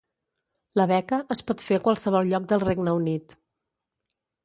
La beca es pot fer a qualsevol lloc del Regne Unit.